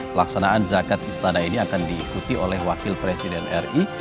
pelaksanaan zakat istana ini akan diikuti oleh wakil presiden ri